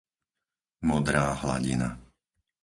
modrá hladina